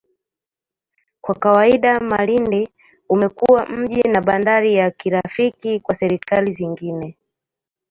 Kwa kawaida, Malindi umekuwa mji na bandari ya kirafiki kwa serikali zingine.